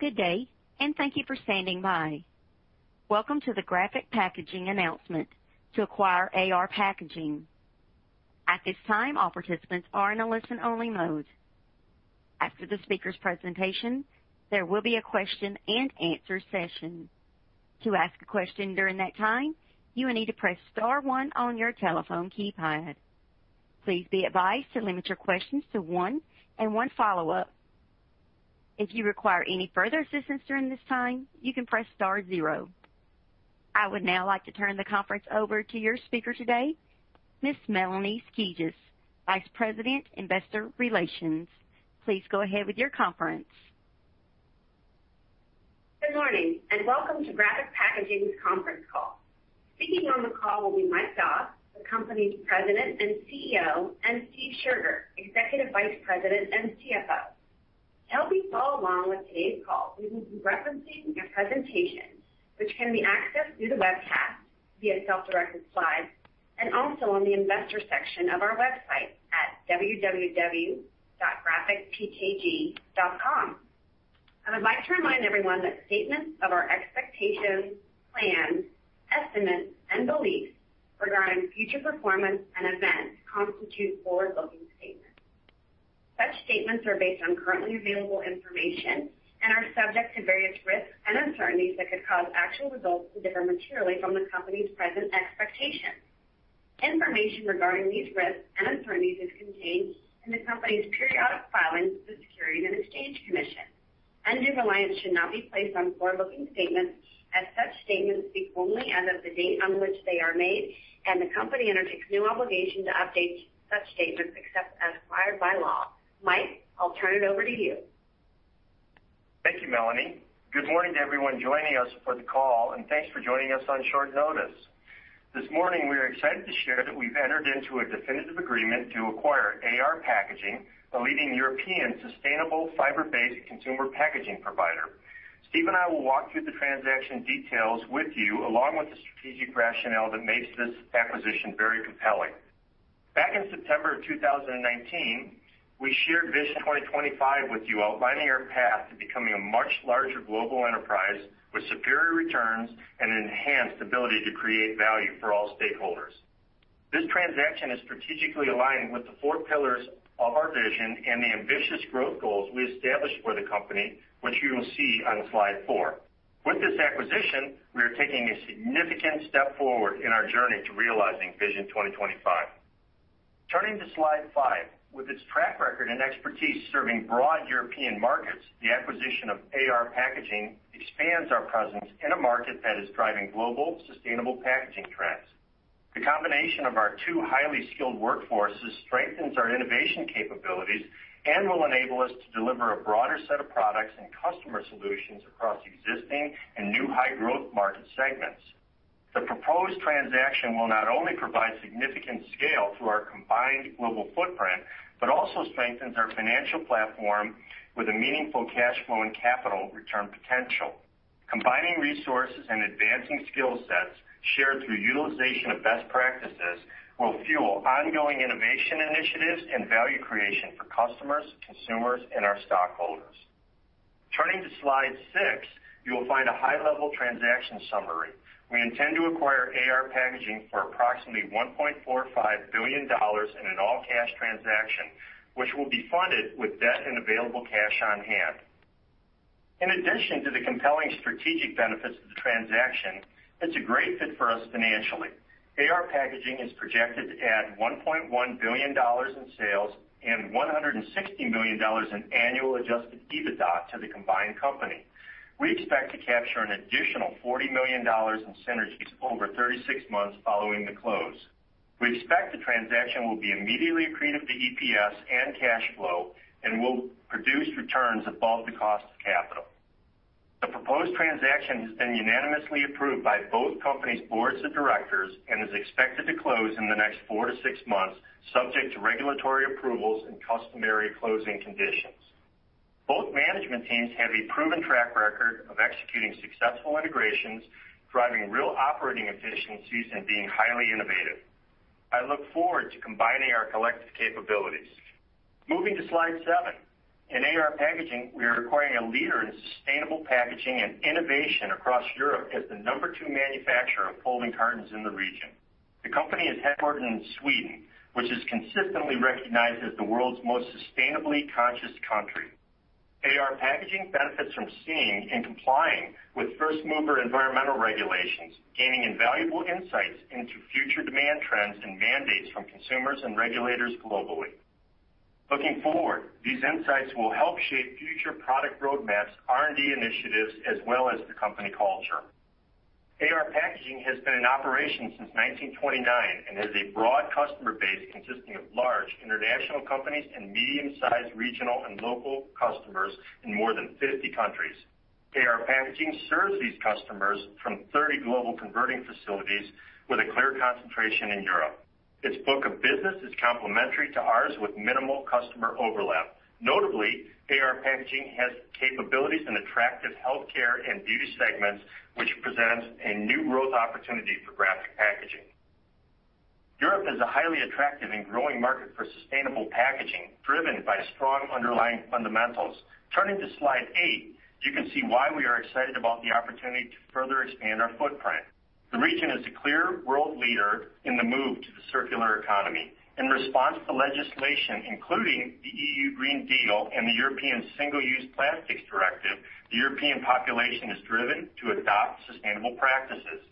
Good day, and thank you for standing by. Welcome to the Graphic Packaging announcement to acquire AR Packaging. At this time, all participants are in a listen-only mode. After the speaker's presentation, there will be a question and answer session. To ask a question during that time, you will need to press star one on your telephone keypad. Please be advised to limit your questions to one and one follow-up. If you require any further assistance during this time, you can press star zero. I would now like to turn the conference over to your speaker today, Ms. Melanie Skijus, Vice President, Investor Relations. Please go ahead with your conference. Good morning, and welcome to Graphic Packaging's conference call. Speaking on the call will be Mike Doss, the company's President and CEO, and Steve Scherger, Executive Vice President and CFO. To help you follow along with today's call, we will be referencing a presentation which can be accessed through the webcast via self-directed slides and also on the investor section of our website at www.graphicpkg.com. I would like to remind everyone that statements of our expectations, plans, estimates, and beliefs regarding future performance and events constitute forward-looking statements. Such statements are based on currently available information and are subject to various risks and uncertainties that could cause actual results to differ materially from the company's present expectations. Information regarding these risks and uncertainties is contained in the company's periodic filings with the Securities and Exchange Commission. Undue reliance should not be placed on forward-looking statements as such statements speak only as of the date on which they are made, and the company undertakes no obligation to update such statements except as required by law. Mike, I'll turn it over to you. Thank you, Melanie. Good morning to everyone joining us for the call, and thanks for joining us on short notice. This morning, we are excited to share that we've entered into a definitive agreement to acquire AR Packaging, a leading European sustainable fiber-based consumer packaging provider. Steve and I will walk through the transaction details with you, along with the strategic rationale that makes this acquisition very compelling. Back in September of 2019, we shared Vision 2025 with you, outlining our path to becoming a much larger global enterprise with superior returns and an enhanced ability to create value for all stakeholders. This transaction is strategically aligned with the four pillars of our vision and the ambitious growth goals we established for the company, which you will see on slide four. With this acquisition, we are taking a significant step forward in our journey to realizing Vision 2025. Turning to slide five. With its track record and expertise serving broad European markets, the acquisition of AR Packaging expands our presence in a market that is driving global sustainable packaging trends. The combination of our two highly skilled workforces strengthens our innovation capabilities and will enable us to deliver a broader set of products and customer solutions across existing and new high-growth market segments. The proposed transaction will not only provide significant scale through our combined global footprint, but also strengthens our financial platform with a meaningful cash flow and capital return potential. Combining resources and advancing skill sets shared through utilization of best practices will fuel ongoing innovation initiatives and value creation for customers, consumers, and our stockholders. Turning to slide six, you will find a high-level transaction summary. We intend to acquire AR Packaging for approximately $1.45 billion in an all-cash transaction, which will be funded with debt and available cash on hand. In addition to the compelling strategic benefits of the transaction, it's a great fit for us financially. AR Packaging is projected to add $1.1 billion in sales and $160 million in annual adjusted EBITDA to the combined company. We expect to capture an additional $40 million in synergies over 36 months following the close. We expect the transaction will be immediately accretive to EPS and cash flow and will produce returns above the cost of capital. The proposed transaction has been unanimously approved by both companies' boards of directors and is expected to close in the next four-six months, subject to regulatory approvals and customary closing conditions. Both management teams have a proven track record of executing successful integrations, driving real operating efficiencies, and being highly innovative. I look forward to combining our collective capabilities. Moving to slide seven. In AR Packaging, we are acquiring a leader in sustainable packaging and innovation across Europe as the number two manufacturer of folding cartons in the region. The company is headquartered in Sweden, which is consistently recognized as the world's most sustainably conscious country. AR Packaging benefits from seeing and complying with first-mover environmental regulations, gaining invaluable insights into future demand trends and mandates from consumers and regulators globally. Looking forward, these insights will help shape future product roadmaps, R&D initiatives, as well as the company culture. AR Packaging has been in operation since 1929 and has a broad customer base consisting of large international companies and medium-sized regional and local customers in more than 50 countries. AR Packaging serves these customers from 30 global converting facilities with a clear concentration in Europe. Its book of business is complementary to ours with minimal customer overlap. Notably, AR Packaging has capabilities in attractive healthcare and beauty segments, which presents a new growth opportunity for Graphic Packaging. Europe is a highly attractive and growing market for sustainable packaging, driven by strong underlying fundamentals. Turning to slide eight, you can see why we are excited about the opportunity to further expand our footprint. The region is a clear world leader in the move to the circular economy. In response to legislation, including the European Green Deal and the European Single-Use Plastics Directive, the European population is driven to adopt sustainable practices.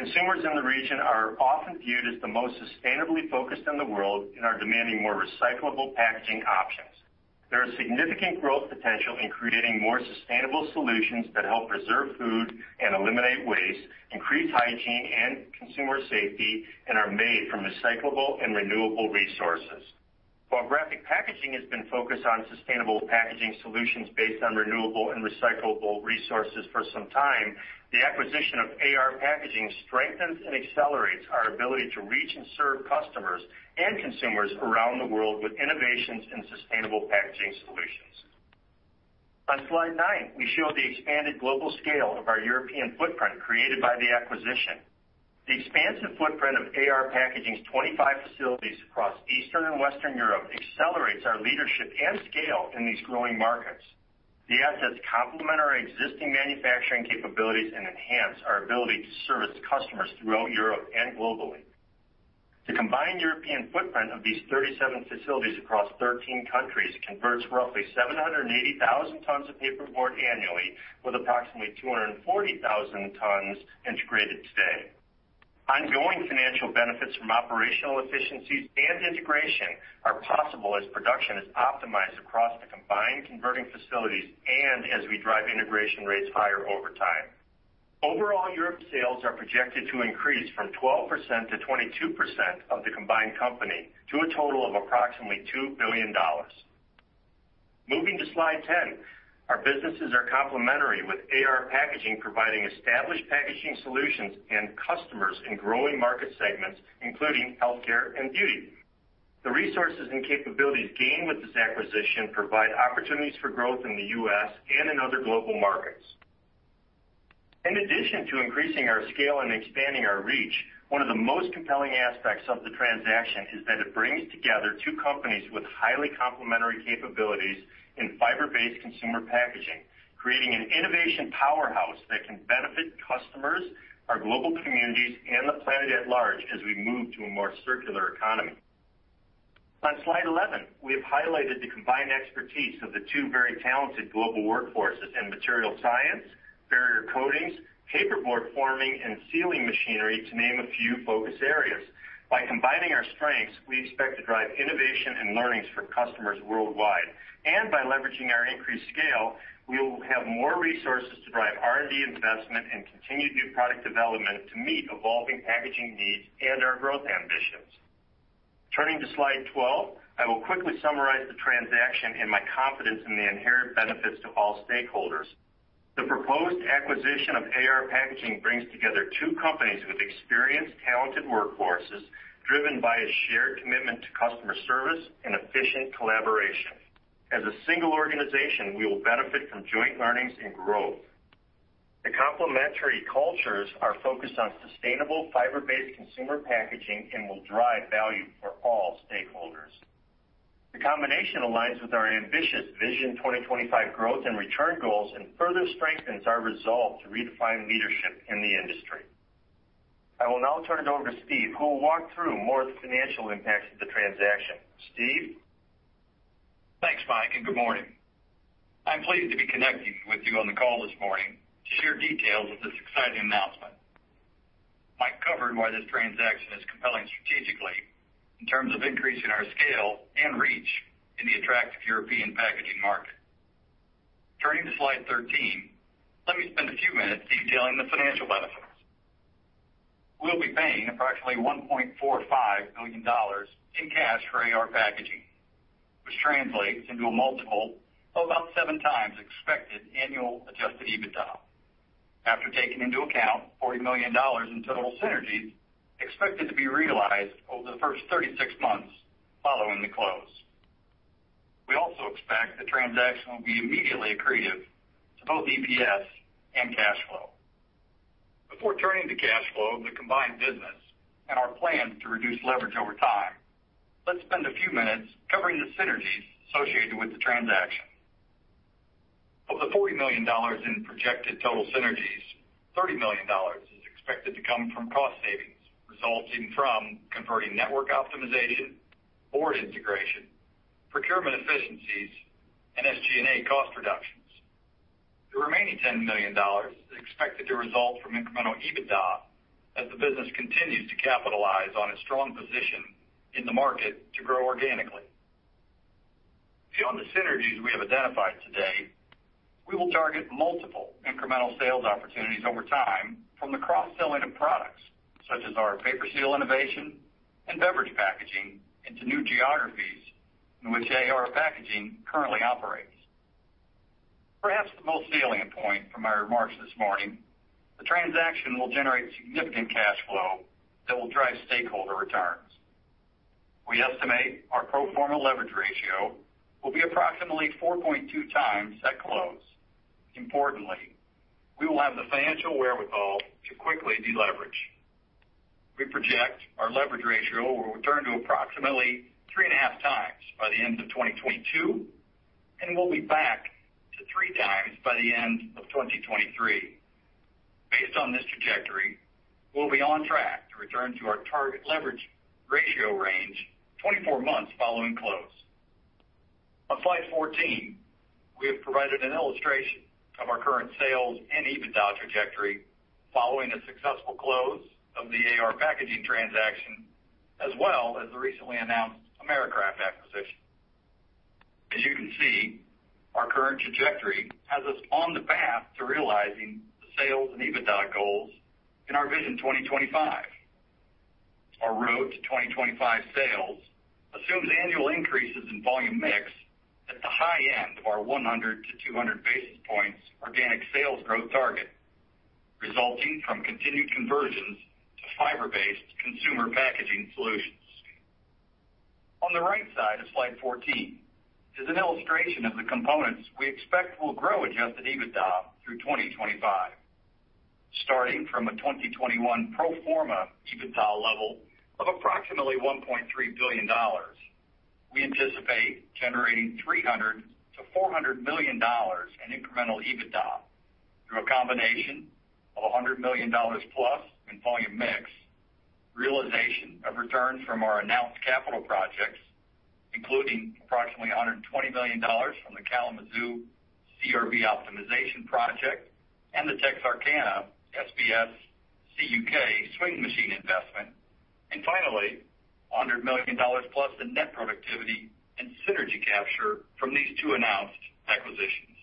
Consumers in the region are often viewed as the most sustainably focused in the world and are demanding more recyclable packaging options. There is significant growth potential in creating more sustainable solutions that help preserve food and eliminate waste, increase hygiene and consumer safety, and are made from recyclable and renewable resources. While Graphic Packaging has been focused on sustainable packaging solutions based on renewable and recyclable resources for some time, the acquisition of AR Packaging strengthens and accelerates our ability to reach and serve customers and consumers around the world with innovations in sustainable packaging solutions. On slide nine, we show the expanded global scale of our European footprint created by the acquisition. The expansive footprint of AR Packaging's 25 facilities across Eastern and Western Europe accelerates our leadership and scale in these growing markets. The assets complement our existing manufacturing capabilities and enhance our ability to service customers throughout Europe and globally. The combined European footprint of these 37 facilities across 13 countries converts roughly 780,000 tons of paperboard annually with approximately 240,000 tons integrated today. Ongoing financial benefits from operational efficiencies and integration are possible as production is optimized across the combined converting facilities and as we drive integration rates higher over time. Overall, Europe sales are projected to increase from 12% to 22% of the combined company to a total of approximately $2 billion. Moving to slide 10. Our businesses are complementary with AR Packaging providing established packaging solutions and customers in growing market segments, including healthcare and beauty. The resources and capabilities gained with this acquisition provide opportunities for growth in the U.S. and in other global markets. In addition to increasing our scale and expanding our reach, one of the most compelling aspects of the transaction is that it brings together two companies with highly complementary capabilities in fiber-based consumer packaging, creating an innovation powerhouse that can benefit customers, our global communities, and the planet at large as we move to a more circular economy. On slide 11, we have highlighted the combined expertise of the two very talented global workforces in material science, barrier coatings, paperboard forming, and sealing machinery to name a few focus areas. By combining our strengths, we expect to drive innovation and learnings for customers worldwide. By leveraging our increased scale, we will have more resources to drive R&D investment and continued new product development to meet evolving packaging needs and our growth ambitions. Turning to slide 12, I will quickly summarize the transaction and my confidence in the inherent benefits to all stakeholders. The proposed acquisition of AR Packaging brings together two companies with experienced, talented workforces driven by a shared commitment to customer service and efficient collaboration. As a single organization, we will benefit from joint learnings and growth. The complementary cultures are focused on sustainable fiber-based consumer packaging and will drive value for all stakeholders. The combination aligns with our ambitious Vision 2025 growth and return goals and further strengthens our resolve to redefine leadership in the industry. I will now turn it over to Steve, who will walk through more of the financial impacts of the transaction. Steve? Thanks, Mike, and good morning. I'm pleased to be connecting with you on the call this morning to share details of this exciting announcement. Mike covered why this transaction is compelling strategically in terms of increasing our scale and reach in the attractive European packaging market. Turning to slide 13, let me spend a few minutes detailing the financial benefits. We'll be paying approximately $1.45 illion in cash for AR Packaging, which translates into a multiple of about 7x expected annual adjusted EBITDA, after taking into account $40 million in total synergies expected to be realized over the first 36 months following the close. We also expect the transaction will be immediately accretive to both EPS and cash flow. Before turning to cash flow of the combined business and our plan to reduce leverage over time, let's spend a few minutes covering the synergies associated with the transaction. Of the $40 million in projected total synergies, $30 million is expected to come from cost savings resulting from converting network optimization, board integration, procurement efficiencies, and SG&A cost reductions. The remaining $10 million is expected to result from incremental EBITDA as the business continues to capitalize on its strong position in the market to grow organically. Beyond the synergies we have identified today, we will target multiple incremental sales opportunities over time from the cross-selling of products, such as our PaperSeal innovation and beverage packaging into new geographies in which AR Packaging currently operates. Perhaps the most salient point from my remarks this morning, the transaction will generate significant cash flow that will drive stakeholder returns. We estimate our pro forma leverage ratio will be approximately 4.2 times at close. Importantly, we will have the financial wherewithal to quickly deleverage. We project our leverage ratio will return to approximately 3.5x By the end of 2022, and we'll be back to 3x by the end of 2023. Based on this trajectory, we'll be on track to return to our target leverage ratio range 24 months following close. On slide 14, we have provided an illustration of our current sales and EBITDA trajectory following the successful close of the AR Packaging transaction, as well as the recently announced Americraft acquisition. As you can see, our current trajectory has us on the path to realizing the sales and EBITDA goals in our Vision 2025. Our road to 2025 sales assumes annual increases in volume mix at the high end of our 100-200 basis points organic sales growth target, resulting from continued conversions to fiber-based consumer packaging solutions. On the right side of slide 14 is an illustration of the components we expect will grow adjusted EBITDA through 2025. Starting from a 2021 pro forma EBITDA level of approximately $1.3 billion, we anticipate generating $300 million-$400 million in incremental EBITDA through a combination of $100 million+ in volume mix, realization of returns from our announced capital projects, including approximately $120 million from the Kalamazoo CRB optimization project and the Texarkana SBS CUK swing machine investment, and finally, $100 million+ in net productivity and synergy capture from these two announced acquisitions.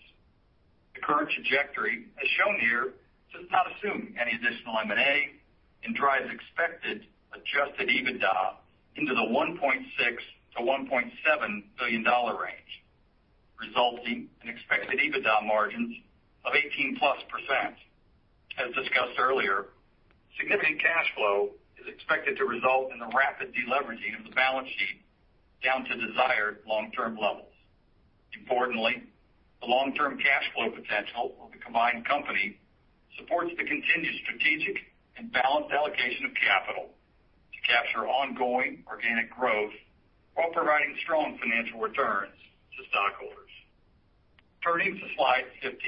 The current trajectory, as shown here, does not assume any additional M&A and drives expected adjusted EBITDA into the $1.6 billion-$1.7 billion range, resulting in expected EBITDA margins of 18%+. As discussed earlier, significant cash flow is expected to result in the rapid deleveraging of the balance sheet down to desired long-term levels. Importantly, the long-term cash flow potential of the combined company supports the continued strategic and balanced allocation of capital to capture ongoing organic growth while providing strong financial returns to stockholders. Turning to slide 15.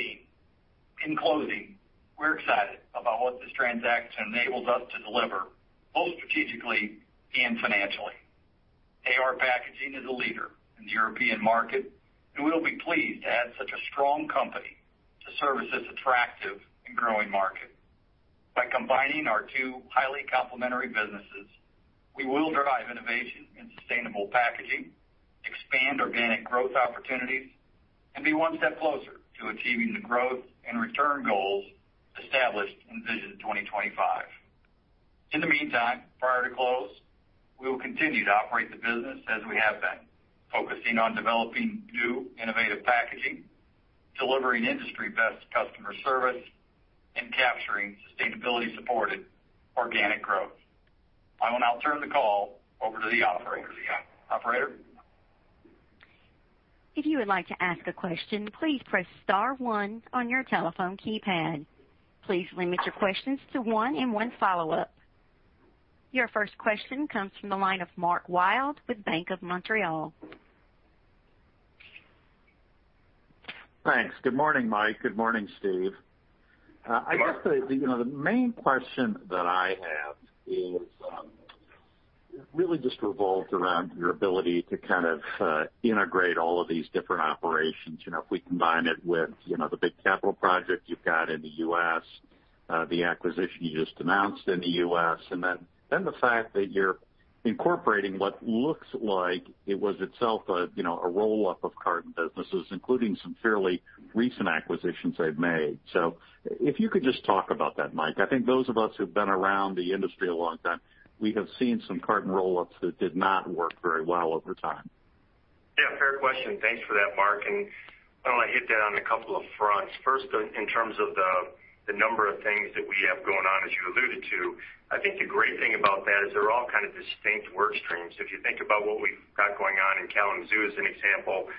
In closing, we're excited about what this transaction enables us to deliver, both strategically and financially. AR Packaging is a leader in the European market, and we will be pleased to add such a strong company to service this attractive and growing market. By combining our two highly complementary businesses, we will drive innovation in sustainable packaging, expand organic growth opportunities, and be one step closer to achieving the growth and return goals established in Vision 2025. In the meantime, prior to close, we will continue to operate the business as we have been, focusing on developing new innovative packaging, delivering industry-best customer service, and capturing sustainability-supported organic growth. I will now turn the call over to the operator. Operator? If you would like to ask a question, please press star one on your telephone keypad. Please limit your questions to one and one follow-up. Your first question comes from the line of Mark Wilde with Bank of Montreal. Thanks. Good morning, Mike. Good morning, Steve. Mark. I guess the main question that I have is, really just revolves around your ability to kind of integrate all of these different operations. If we combine it with the big capital project you've got in the U.S., the acquisition you just announced in the U.S., and then the fact that you're incorporating what looks like it was itself a roll-up of carton businesses, including some fairly recent acquisitions they've made. If you could just talk about that, Mike. I think those of us who've been around the industry a long time, we have seen some carton roll-ups that did not work very well over time. Yeah, fair question. Thanks for that, Mark. Why don't I hit that on a couple of fronts. First, in terms of the number of things that we have going on, as you alluded to, I think the great thing about that is they're all kind of distinct work streams. If you think about what we've got going on in Kalamazoo, as an example,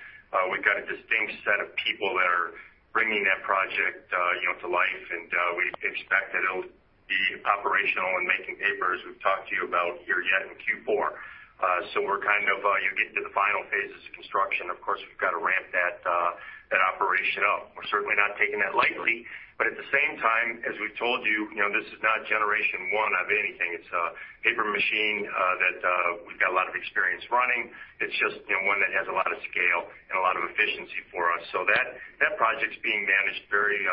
we've got a distinct set of people that are bringing that project to life, and we expect that it'll be operational and making paper, as we've talked to you about here, yet in Q4. We're kind of getting to the final phases of construction. Of course, we've got to ramp that operation up. We're certainly not taking that lightly. At the same time, as we've told you, this is not generation one of anything. It's a paper machine that we've got a lot of experience running. It's just one that has a lot of scale and a lot of efficiency for us. That project's being managed very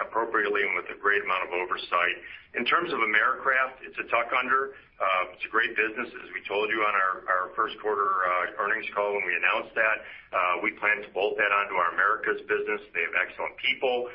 appropriately and with a great amount of oversight. In terms of Americraft, it's a tuck-under. It's a great business. As we told you on our first quarter earnings call when we announced that, we plan to bolt that onto our Americas business. They have excellent people.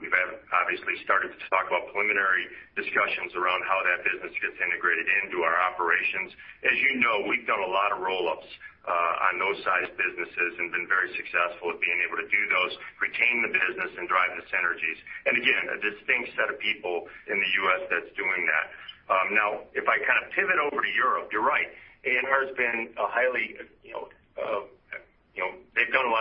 We've obviously started to talk about preliminary discussions around how that business gets integrated into our operations. As you know, we've done a lot of roll-ups on those size businesses and been very successful at being able to do those, retain the business, and drive the synergies. Again, a distinct set of people in the U.S. that's doing that. Now, if I kind of pivot over to Europe, you're right. AR has been a highly-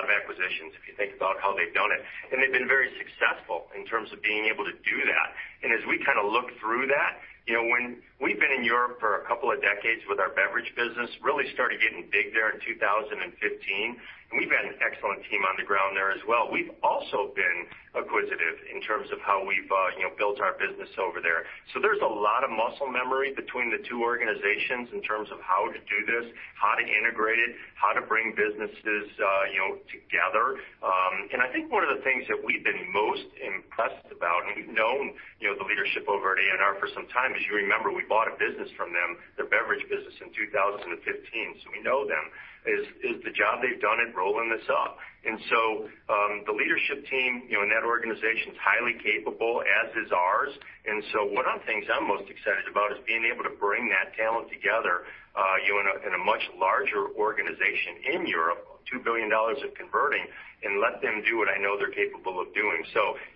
Acquisitions, if you think about how they've done it. They've been very successful in terms of being able to do that. As we kind of look through that, when we've been in Europe for a couple of decades with our beverage business, really started getting big there in 2015, and we've had an excellent team on the ground there as well. We've also been acquisitive in terms of how we've built our business over there. There's a lot of muscle memory between the two organizations in terms of how to do this, how to integrate it, how to bring businesses together. I think one of the things that we've been most impressed about, and we've known the leadership over at AR Packaging for some time, as you remember, we bought a business from them, their beverage business in 2015. We know them. Is the job they've done in rolling this up. The leadership team in that organization is highly capable, as is ours. One of the things I'm most excited about is being able to bring that talent together, in a much larger organization in Europe, $2 billion of converting, and let them do what I know they're capable of doing.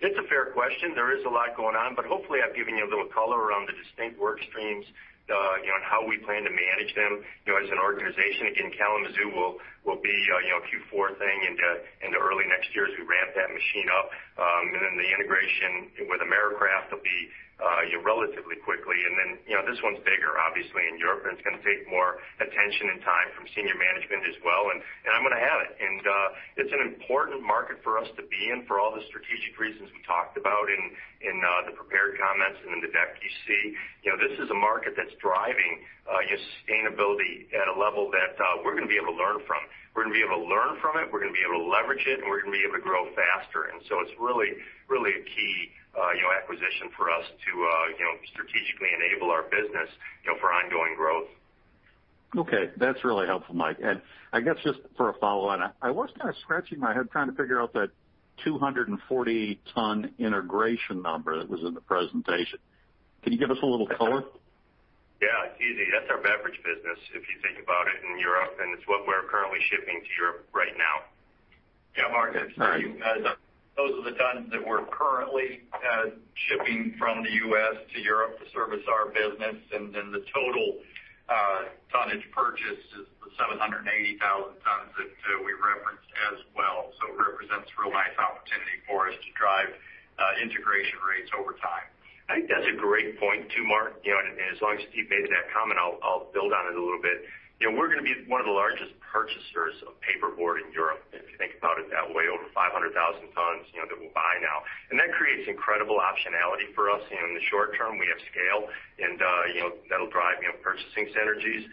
It's a fair question. There is a lot going on, hopefully I've given you a little color around the distinct work streams, and how we plan to manage them. As an organization, again, Kalamazoo will be a Q4 thing into early next year as we ramp that machine up. The integration with Americraft will be relatively quickly. Then, this one's bigger, obviously, in Europe, and it's going to take more attention and time from senior management as well, and I'm going to have it. It's an important market for us to be in for all the strategic reasons we talked about in the prepared comments and in the deck you see. This is a market that's driving sustainability at a level that we're going to be able to learn from. We're going to be able to learn from it, we're going to be able to leverage it, and we're going to be able to grow faster. So it's really a key acquisition for us to strategically enable our business for ongoing growth. Okay. That's really helpful, Mike. I guess just for a follow-on, I was kind of scratching my head trying to figure out that 240 ton integration number that was in the presentation. Can you give us a little color? Yeah, it's easy. That's our beverage business, if you think about it, in Europe, and it's what we're currently shipping to Europe right now. Yeah, Mark, it's Steve. Those are the tons that we're currently shipping from the U.S. to Europe to service our business. The total tonnage purchase is the 780,000 tons that we referenced as well. It represents a real nice opportunity for us to drive integration rates over time. I think that's a great point too, Mark. As long as Steve made that comment, I'll build on it a little bit. We're going to be one of the largest purchasers of paperboard in Europe, if you think about it that way. Over 500,000 tons that we'll buy now. That creates incredible optionality for us. In the short term, we have scale, and that'll drive purchasing synergies.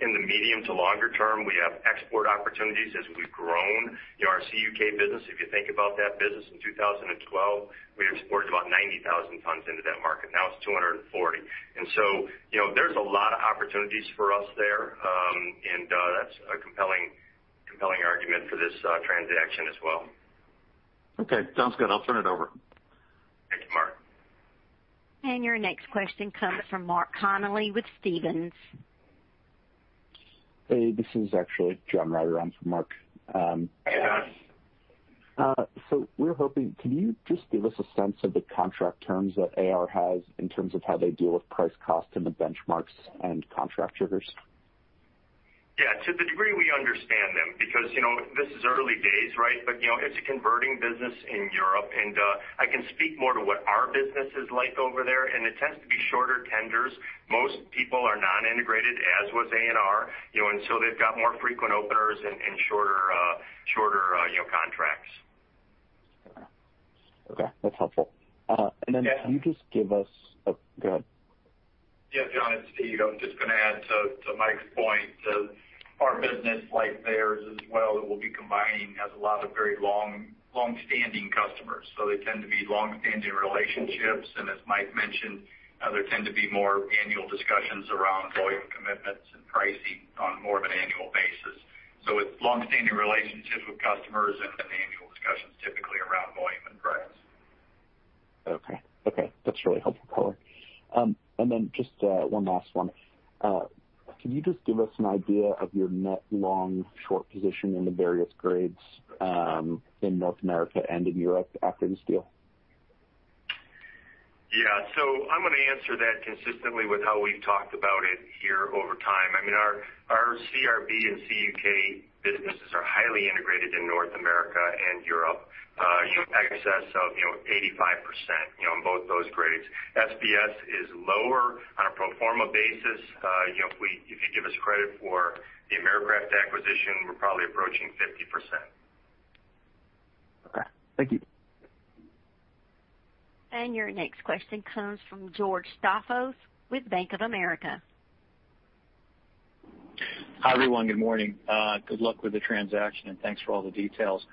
In the medium to longer term, we have export opportunities as we've grown our CUK business. If you think about that business in 2012, we exported about 90,000 tons into that market. Now it's 240. There's a lot of opportunities for us there. That's a compelling argument for this transaction as well. Okay, sounds good. I'll turn it over. Thank you, Mark. Your next question comes from Mark Connelly with Stephens. Hey, this is actually John Rider on for Mark. Yes. We were hoping, can you just give us a sense of the contract terms that AR has in terms of how they deal with price cost and the benchmarks and contract triggers? Yeah, to the degree we understand them, because this is early days, right? It's a converting business in Europe, and I can speak more to what our business is like over there, and it tends to be shorter tenders. Most people are non-integrated, as was AR, they've got more frequent openers and shorter contracts. Okay. That's helpful. Can you just? Oh, go ahead. John, it's Steve. I'm just going to add to Mike's point. Our business, like theirs as well, that we'll be combining, has a lot of very long-standing customers. They tend to be long-standing relationships. As Mike mentioned, there tend to be more annual discussions around volume commitments and pricing on more of an annual basis. It's long-standing relationships with customers and annual discussions typically around volume and price. Okay. That's really helpful color. Just one last one. Could you just give us an idea of your net long, short position in the various grades in North America and in Europe after this deal? Yeah. I'm going to answer that consistently with how we've talked about it here over time. Our CRB and CUK businesses are highly integrated in North America and Europe, in excess of 85% in both those grades. SBS is lower on a pro forma basis. If you give us credit for the Americraft acquisition, we're probably approaching 50%. Okay. Thank you. Your next question comes from George Staphos with Bank of America. Hi, everyone. Good morning. Good luck with the transaction. Thanks for all the details.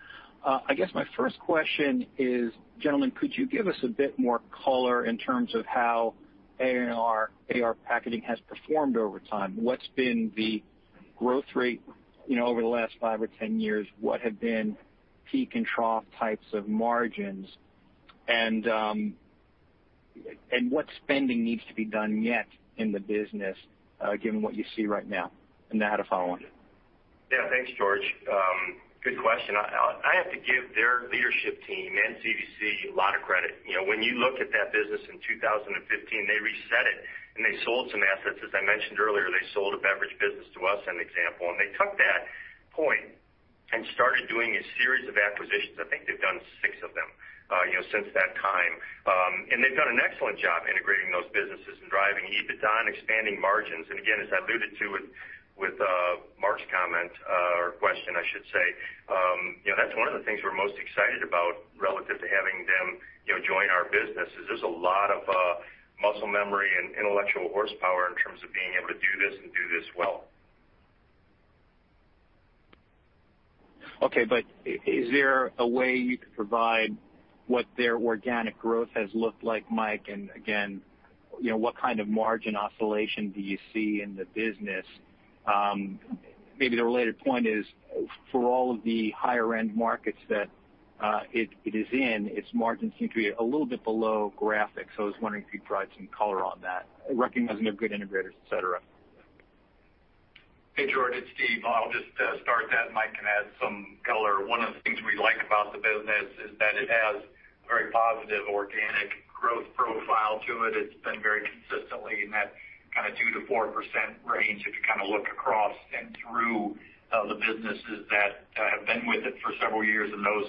I guess my first question is, gentlemen, could you give us a bit more color in terms of how AR Packaging has performed over time? What's been the growth rate over the last five or 10 years? What have been peak and trough types of margins? What spending needs to be done yet in the business, given what you see right now? I had a follow-on. Thanks, George. Good question. I have to give their leadership team and CVC a lot of credit. When you look at that business in 2015, they reset it. They sold some assets. As I mentioned earlier, they sold a beverage business to us, an example. They took that point, started doing a series of acquisitions. I think they've done six of them since that time. They've done an excellent job integrating those businesses and driving EBITDA and expanding margins. Again, as I alluded to with Mark's comment, or question, I should say, that's one of the things we're most excited about relative to having them join our business, is there's a lot of muscle memory and intellectual horsepower in terms of being able to do this and do this well. Okay. Is there a way you could provide what their organic growth has looked like, Mike? Again, what kind of margin oscillation do you see in the business? Maybe the related point is, for all of the higher-end markets that it is in, its margins seem to be a little bit below Graphic. So, I was wondering if you could provide some color on that, recognizing they're good integrators, et cetera. Hey, George, it's Steve. I'll just start that, and Mike can add some color. One of the things we like about the business is that it has a very positive organic growth profile to it. It's been very consistently in that kind of 2%-4% range, if you kind of look across and through the businesses that have been with it for several years and those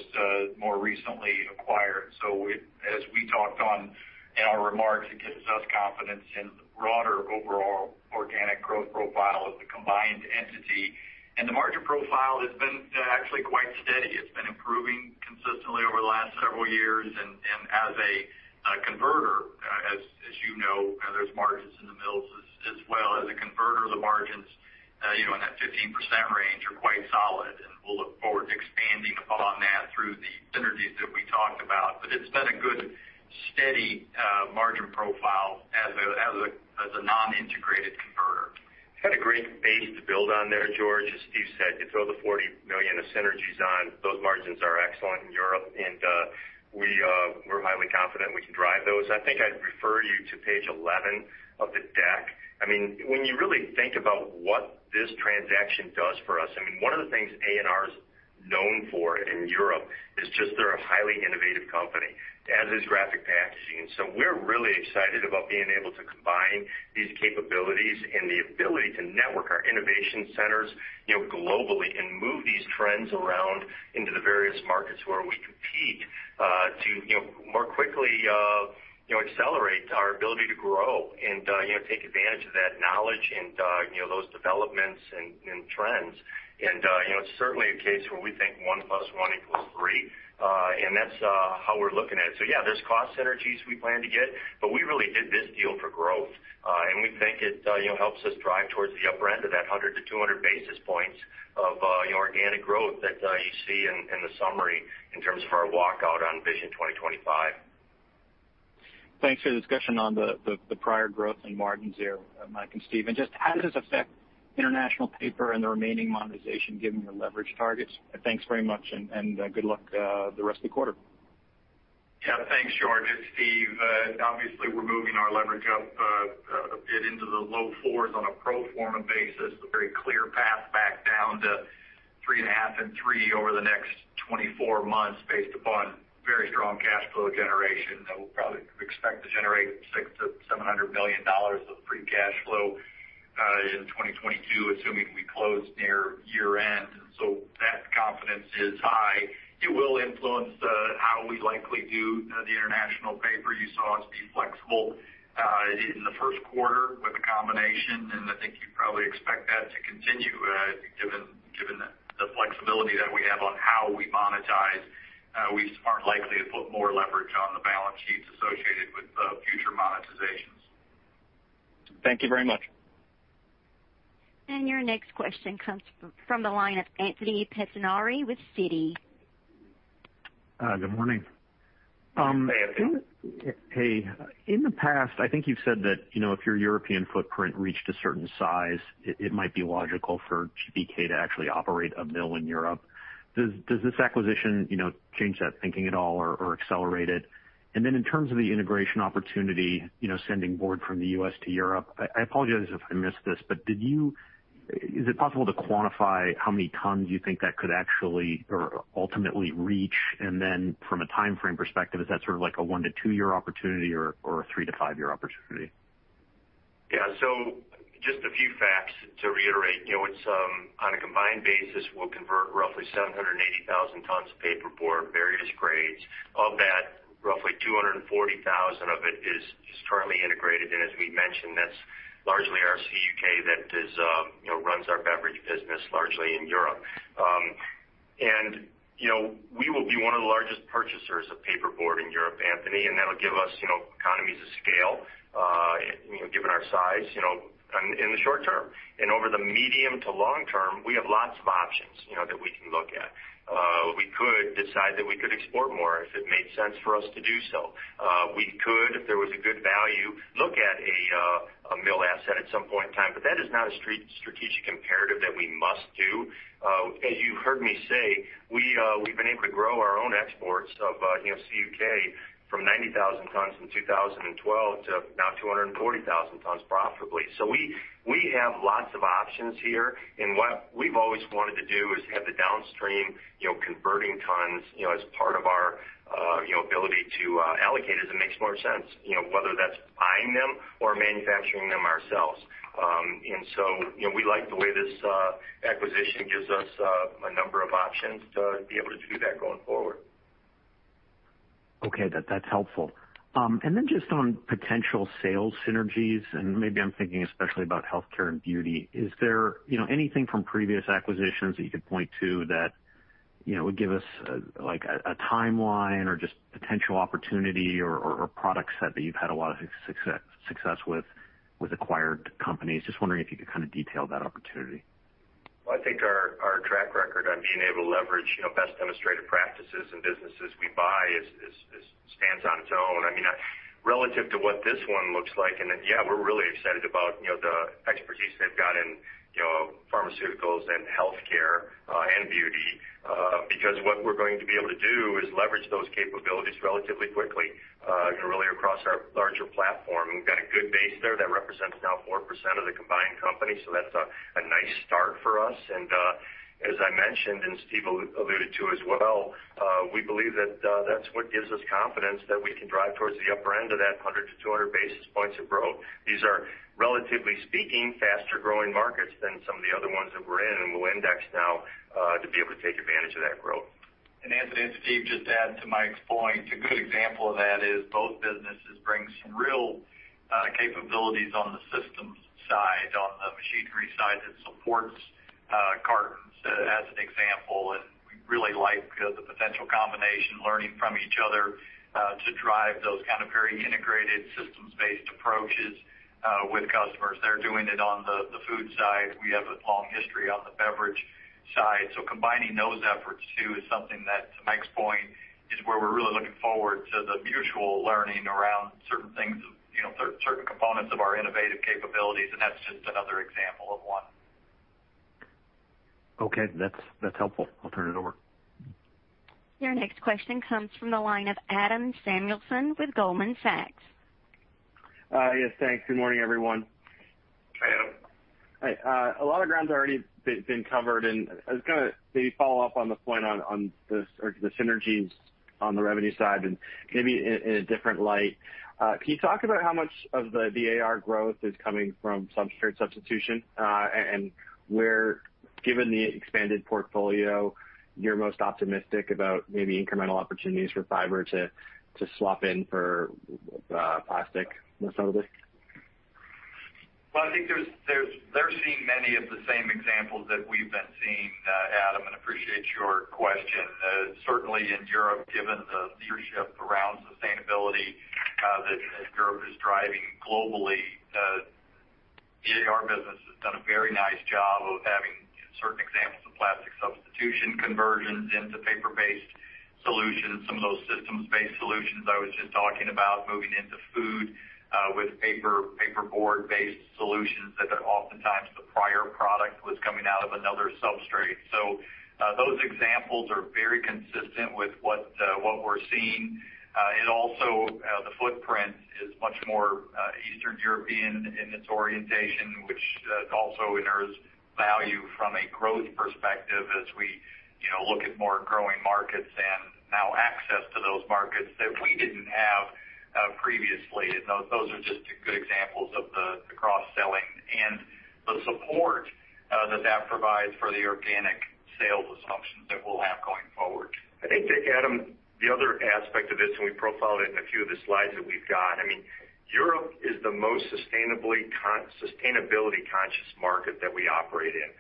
more recently acquired. As we talked on in our remarks, it gives us confidence in the broader overall organic growth profile of the combined entity. The margin profile has been actually quite steady. It's been improving consistently over the last several years. As a converter, as you know, there's margins in the mills as well. As a converter, the margins in that 15% range are quite solid, and we'll look forward to expanding upon that through the synergies that we talked about. It's been a good, steady margin profile as a non-integrated converter. Kind of great base to build on there, George. As Steve said, you throw the $40 million of synergies on, those margins are excellent in Europe, and we're highly confident we can drive those. I think I'd refer you to page 11 of the deck. When you really think about what this transaction does for us, one of the things AR Packaging is known for in Europe is just they're a highly innovative company, as is Graphic Packaging. We're really excited about being able to combine these capabilities and the ability to network our innovation centers globally and move these trends around into the various markets where we compete to more quickly accelerate our ability to grow and take advantage of that knowledge and those developments and trends. It's certainly a case where we think 1 + 1 = 3, and that's how we're looking at it. Yeah, there's cost synergies we plan to get, but we really did this deal for growth. We think it helps us drive towards the upper end of that 100 to 200 basis points of organic growth that you see in the summary in terms of our walkout on Vision 2025. Thanks for the discussion on the prior growth and margins there, Mike and Steve. Just how does this affect International Paper and the remaining monetization, given your leverage targets? Thanks very much, and good luck the rest of the quarter. Thanks, George. It's Steve. We're moving our leverage up a bit into the low 4s on a pro forma basis, a very clear path back down to 3.5 and three over the next 24 months based upon very strong cash flow generation that we'll probably expect to generate $600 million-$700 million of free cash flow in 2022, assuming we close near year-end. That confidence is high. It will influence how we likely do the International Paper. You saw us be flexible in the first quarter with the combination. I think you'd probably expect that to continue, given the flexibility that we have on how we monetize. We are likely to put more leverage on the balance sheets associated with future monetizations. Thank you very much. Your next question comes from the line of Anthony Pettinari with Citi. Good morning. Hey, Anthony. Hey. In the past, I think you've said that if your European footprint reached a certain size, it might be logical for GPK to actually operate a mill in Europe. Does this acquisition change that thinking at all or accelerate it? In terms of the integration opportunity, sending board from the U.S. to Europe, I apologize if I missed this, but is it possible to quantify how many tons you think that could actually or ultimately reach? From a timeframe perspective, is that sort of like a one-to-two-year opportunity or a three-to-five-year opportunity? Yeah. Just a few facts to reiterate. On a combined basis, we'll convert roughly 780,000 tons of paperboard, various grades. Of that, roughly 240,000 of it is currently integrated. As we mentioned, that's largely our CUK that runs our beverage business largely in Europe. We will be one of the largest purchasers of paperboard in Europe, Anthony, and that'll give us economies of scale given our size in the short term. Over the medium to long term, we have lots of options that we can look at. We could decide that we could export more if it made sense for us to do so. We could, if there was a good value, look at a mill asset at some point in time. That is not a strategic imperative that we must do. As you heard me say, we've been able to grow our own exports of CUK from 90,000 tons in 2012 to now 240,000 tons profitably. We have lots of options here, and what we've always wanted to do is have the downstream converting tons as part of our ability to allocate as it makes more sense, whether that's buying them or manufacturing them ourselves. We like the way this acquisition gives us a number of options to be able to do that going forward. Okay. That's helpful. Then just on potential sales synergies, and maybe I'm thinking especially about healthcare and beauty. Is there anything from previous acquisitions that you could point to that would give us a timeline or just potential opportunity or product set that you've had a lot of success with acquired companies? Just wondering if you could kind of detail that opportunity. Well, I think our track record on being able to leverage best demonstrated practices and businesses we buy stands on its own. Relative to what this one looks like, and then yeah, we're really excited about the expertise they've got in pharmaceuticals and healthcare, and beauty, because what we're going to be able to do is leverage those capabilities relatively quickly, really across our larger platform. We've got a good base there that represents now 4% of the combined company, so that's a nice start for us. As I mentioned, and Steve alluded to as well, we believe that that's what gives us confidence that we can drive towards the upper end of that 100-200 basis points of growth. These are, relatively speaking, faster-growing markets than some of the other ones that we're in, and we'll index now, to be able to take advantage of that growth. Anthony, it's Steve, just to add to Mike's point, a good example of that is both businesses bring some real capabilities on the systems side, on the machinery side that supports cartons, as an example. We really like the potential combination, learning from each other, to drive those kind of very integrated systems-based approaches with customers. They're doing it on the food side. We have a long history on the beverage side. Combining those efforts, too, is something that, to Mike's point, is where we're really looking forward to the mutual learning around certain things, certain components of our innovative capabilities, and that's just another example of one. Okay. That's helpful. I'll turn it over. Your next question comes from the line of Adam Samuelson with Goldman Sachs. Yes, thanks. Good morning, everyone. Hi, Adam. Hi. A lot of ground's already been covered, and I was going to maybe follow up on the point on the synergies on the revenue side and maybe in a different light. Can you talk about how much of the AR growth is coming from substrate substitution? Where, given the expanded portfolio, you're most optimistic about maybe incremental opportunities for fiber to swap in for plastic most notably? Well, I think they're seeing many of the same examples that we've been seeing, Adam, and appreciate your question. Certainly in Europe, given the leadership around sustainability that Europe is driving globally, the AR business has done a very nice job of having certain examples of plastic substitution conversions into paper-based solutions. Some of those systems-based solutions I was just talking about, moving into food, with paperboard-based solutions that oftentimes the prior product was coming out of another substrate. Those examples are very consistent with what we're seeing. Also, the footprint is much more Eastern European in its orientation, which also inheres value from a growth perspective as we look at more growing markets and now access to those markets that we didn't have previously. Those are just good examples of the cross-selling and the support that that provides for the organic sales assumptions that we'll have going forward. I think, Adam, the other aspect of this, we profiled it in a few of the slides that we've got. Europe is the most sustainability-conscious market that we operate in.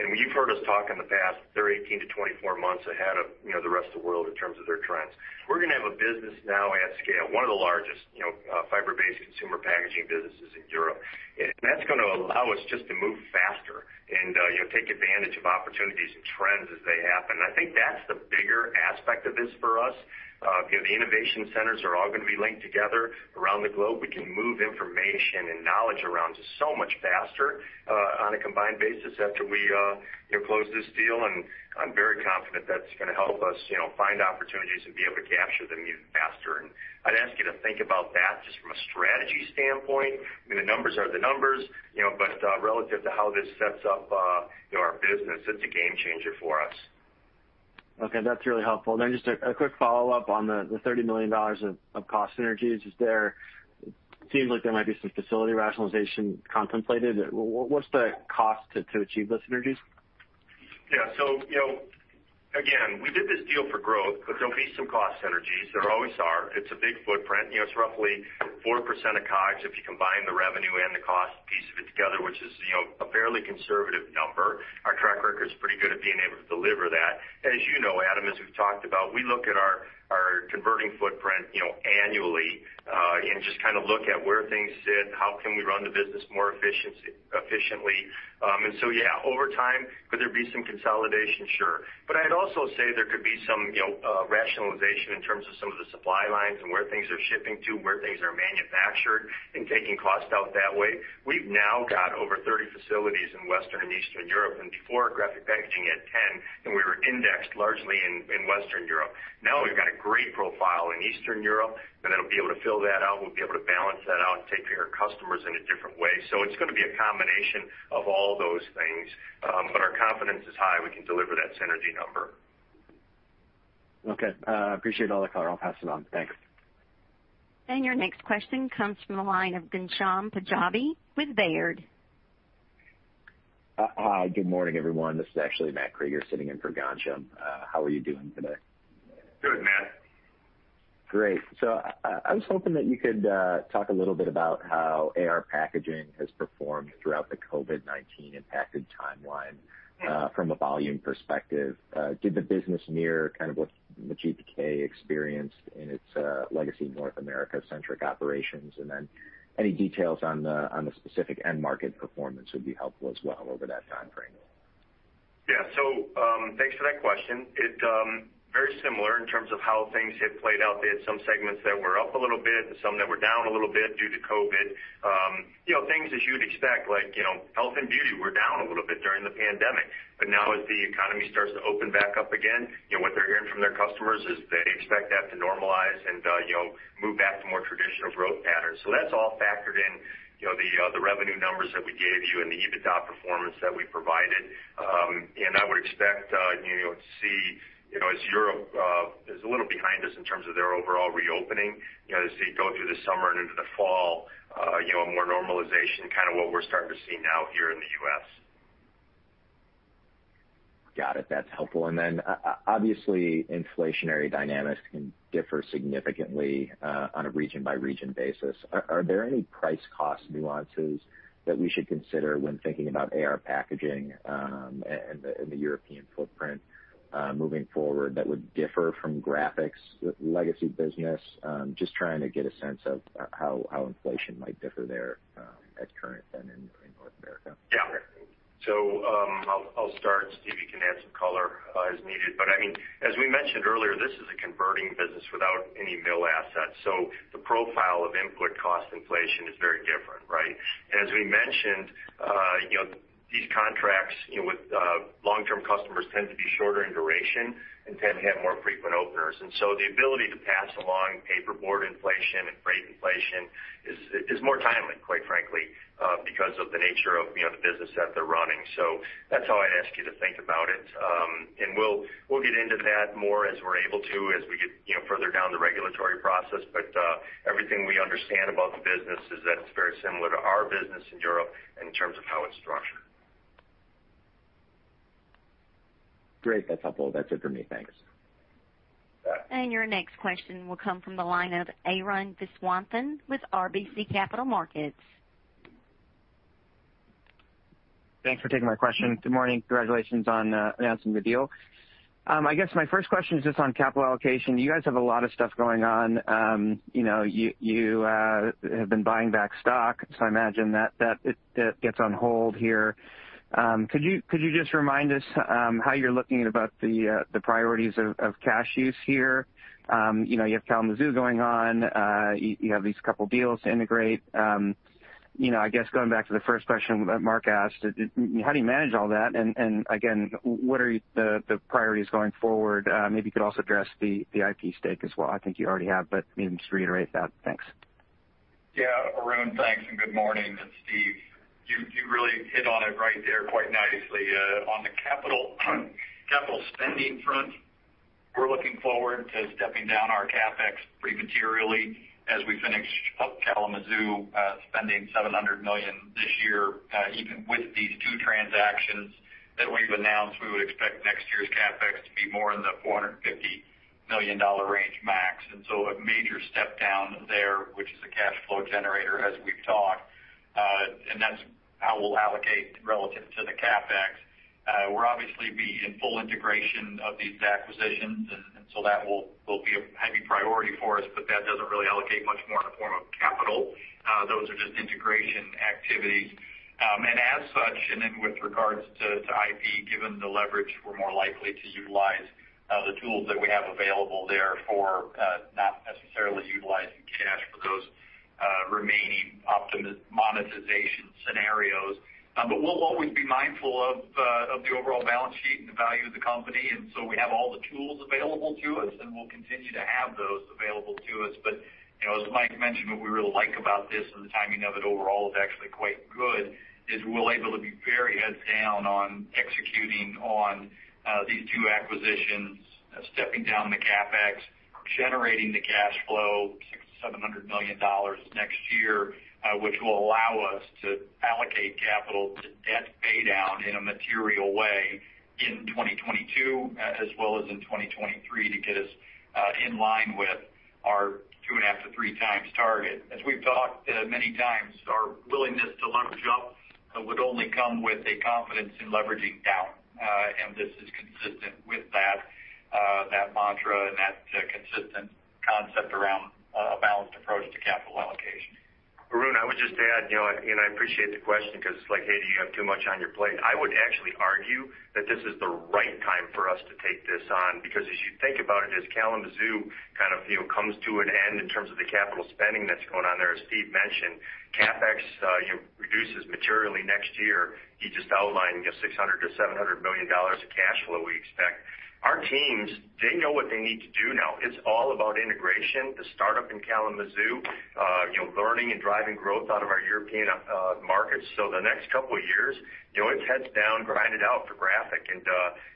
You've heard us talk in the past, they're 18 to 24 months ahead of the rest of the world in terms of their trends. We're going to have a business now at scale, one of the largest fiber-based consumer packaging businesses in Europe. That's going to allow us just to move faster and take advantage of opportunities and trends as they happen. I think that's the bigger aspect of this for us. The innovation centers are all going to be linked together around the globe. We can move information and knowledge around just so much faster on a combined basis after we close this deal. I'm very confident that's going to help us find opportunities and be able to capture them even faster. I'd ask you to think about that just from a strategy standpoint. The numbers are the numbers, but relative to how this sets up our business, it's a game changer for us. Okay, that's really helpful. Just a quick follow-up on the $30 million of cost synergies. It seems like there might be some facility rationalization contemplated. What's the cost to achieve those synergies? Yeah. Again, we did this deal for growth, but there'll be some cost synergies. There always are. It's a big footprint. It's roughly 4% of COGS if you combine the revenue and the cost piece of it together, which is a fairly conservative number. Our track record's pretty good at being able to deliver that. As you know, Adam, as we've talked about, we look at our converting footprint annually, and just kind of look at where things sit, how can we run the business more efficiently. Yeah, over time, could there be some consolidation? Sure. I'd also say there could be some rationalization in terms of some of the supply lines and where things are shipping to, where things are manufactured, and taking cost out that way. We've now got over 30 facilities in Western and Eastern Europe, before Graphic Packaging had 10, we were indexed largely in Western Europe. Now we've got a great profile in Eastern Europe, it'll be able to fill that out. We'll be able to balance that out and take care of customers in a different way. It's going to be a combination of all those things. Our confidence is high we can deliver that synergy number. Okay. I appreciate all the color. I'll pass it on. Thanks. Your next question comes from the line of Ghansham Panjabi with Baird. Hi, good morning, everyone. This is actually Matt Krueger sitting in for Ghansham. How are you doing today? Good, Matt. Great. I was hoping that you could talk a little bit about how AR Packaging has performed throughout the COVID-19 impacted timeline from a volume perspective. Did the business mirror kind of what the GPK experienced in its legacy North America-centric operations? Then any details on the specific end market performance would be helpful as well over that time frame. Yeah. Thanks for that question. It very similar in terms of how things have played out. They had some segments that were up a little bit, some that were down a little bit due to COVID. Things as you'd expect, like health and beauty, were down a little bit during the pandemic. Now as the economy starts to open back up again, what they're hearing from their customers is they expect that to normalize and move back to more traditional growth patterns. That's all factored in the revenue numbers that we gave you and the EBITDA performance that we provided. I would expect to see, as Europe is a little behind us in terms of their overall reopening, as they go through the summer and into the fall, more normalization, kind of what we're starting to see now here in the U.S. Got it. That's helpful. Obviously, inflationary dynamics can differ significantly on a region-by-region basis. Are there any price cost nuances that we should consider when thinking about AR Packaging in the European footprint moving forward that would differ from Graphic's legacy business? Just trying to get a sense of how inflation might differ there at current than in North America. Yeah. I'll start. Steve, you can add some color as needed. As we mentioned earlier, this is a converting business without any mill assets. The profile of input cost inflation is very different, right? As we mentioned, these contracts with long-term customers tend to be shorter in duration and tend to have more frequent openers. The ability to pass along paperboard inflation and freight inflation is more timely, quite frankly because of the nature of the business that they're running. That's how I'd ask you to think about it. We'll get into that more as we're able to, as we get further down the regulatory process. Everything we understand about the business is that it's very similar to our business in Europe in terms of how it's structured. Great. That's helpful. That's it for me. Thanks. Yeah. Your next question will come from the line of Arun Viswanathan with RBC Capital Markets. Thanks for taking my question. Good morning. Congratulations on announcing the deal. I guess my first question is just on capital allocation. You guys have a lot of stuff going on. You have been buying back stock, I imagine that it gets on hold here. Could you just remind us how you're looking about the priorities of cash use here? You have Kalamazoo going on. You have these couple deals to integrate. I guess going back to the first question that Mark asked, how do you manage all that? Again, what are the priorities going forward? Maybe you could also address the IP stake as well. I think you already have, maybe just reiterate that. Thanks. Yeah. Arun, thanks, and good morning. It's Steve. You really hit on it right there quite nicely. On the capital spending front, we're looking forward to stepping down our CapEx pretty materially as we finish up Kalamazoo, spending $700 million this year. Even with these two transactions that we've announced, we would expect next year's CapEx to be more in the $450 million range max. A major step down there, which is a cash flow generator as we've talked. That's how we'll allocate relative to the CapEx. We'll obviously be in full integration of these acquisitions, and so that will be a heavy priority for us, but that doesn't really allocate much more in the form of capital. Those are just integration activities. As such, with regards to IP, given the leverage, we're more likely to utilize the tools that we have available there for not necessarily utilizing cash for those remaining optimization monetization scenarios. We'll always be mindful of the overall balance sheet and the value of the company. We have all the tools available to us, and we'll continue to have those available to us. As Mike mentioned, what we really like about this and the timing of it overall is actually quite good, is we're able to be very heads down on executing on these two acquisitions, stepping down the CapEx, generating the cash flow, $600 million-$700 million next year which will allow us to allocate capital to debt paydown in a material way in 2022, as well as in 2023 to get us in line with our two and a half to three times target. As we've talked many times, our willingness to leverage up would only come with a confidence in leveraging down. This is consistent with that mantra and that consistent concept around a balanced approach to capital allocation. Arun, I would just add, and I appreciate the question because it's like, "Hey, do you have too much on your plate? I would actually argue that this is the right time for us to take this on. As you think about it, as Kalamazoo comes to an end in terms of the capital spending that's going on there, as Steve mentioned, CapEx reduces materially next year. He just outlined $600 million-$700 million of cash flow we expect. Our teams, they know what they need to do now. It's all about integration, the startup in Kalamazoo, learning and driving growth out of our European markets. The next couple of years, it's heads down, grind it out for Graphic.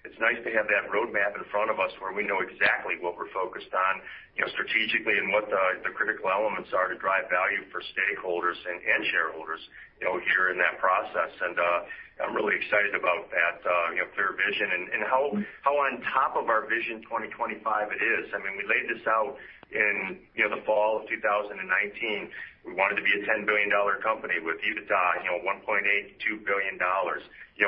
It's nice to have that roadmap in front of us where we know exactly what we're focused on strategically and what the critical elements are to drive value for stakeholders and shareholders here in that process. I'm really excited about that clear vision and how on top of our Vision 2025 it is. We laid this out in the fall of 2019. We wanted to be a $10 billion company with EBITDA $1.8 billion-$2 billion.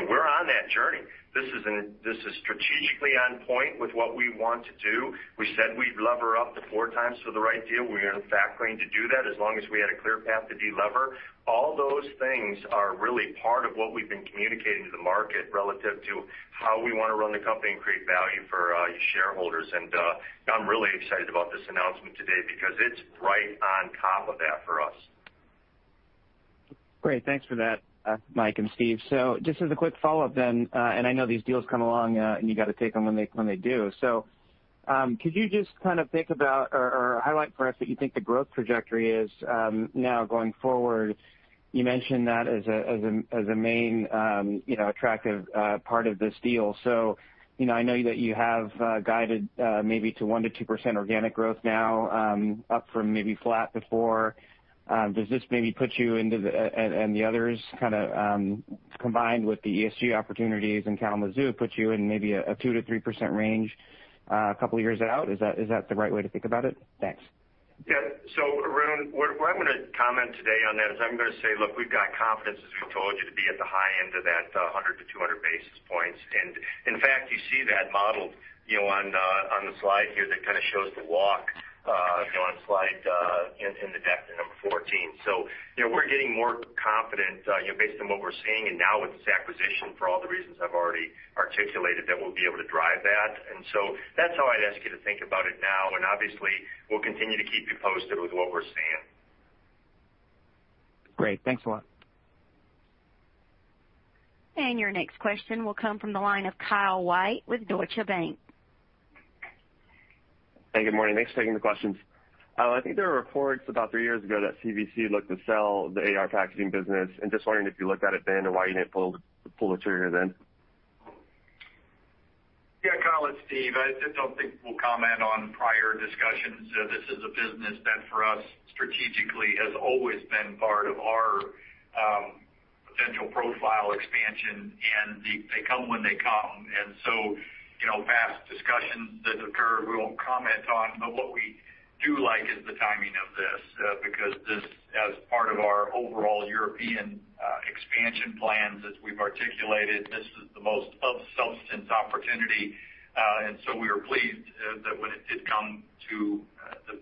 We're on that journey. This is strategically on point with what we want to do. We said we'd lever up to 4x for the right deal. We are factoring to do that as long as we had a clear path to de-lever. All those things are really part of what we've been communicating to the market relative to how we want to run the company and create value for shareholders. I'm really excited about this announcement today because it's right on top of that for us. Great. Thanks for that, Mike and Steve. Just as a quick follow-up then, and I know these deals come along, and you got to take them when they do. Could you just think about or highlight for us what you think the growth trajectory is now going forward? You mentioned that as a main attractive part of this deal. I know that you have guided maybe to 1%-2% organic growth now, up from maybe flat before. Does this maybe put you and the others kind of combined with the ESG opportunities in Kalamazoo, put you in maybe a 2%-3% range a couple of years out? Is that the right way to think about it? Thanks. Yeah. Arun, what I'm going to comment today on that is I'm going to say, look, we've got confidence, as we told you, to be at the high end of that 100-200 basis points. In fact, you see that modeled on the slide here that kind of shows the walk on in the deck, number 14. We're getting more confident based on what we're seeing and now with this acquisition for all the reasons I've already articulated, that we'll be able to drive that. That's how I'd ask you to think about it now, and obviously, we'll continue to keep you posted with what we're seeing. Great. Thanks a lot. Your next question will come from the line of Kyle White with Deutsche Bank. Hey, good morning. Thanks for taking the questions. I think there were reports about three years ago that CVC looked to sell the AR Packaging business. Just wondering if you looked at it then and why you didn't pull the trigger then. Yeah, Kyle, it's Steve. I just don't think we'll comment on prior discussions. This is a business that for us strategically has always been part of our potential profile expansion, and they come when they come. Past discussions that occur, we won't comment on. What we do like is the timing of this because this, as part of our overall European expansion plans as we've articulated, this is the most of-substance opportunity. We were pleased that when it did come to